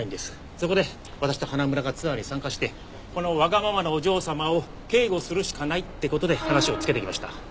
そこで私と花村がツアーに参加してこのわがままなお嬢様を警護するしかないって事で話をつけてきました。